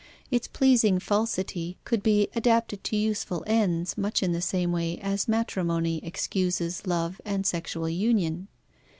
Its pleasing falsity could be adapted to useful ends, much in the same way as matrimony excuses love and sexual union.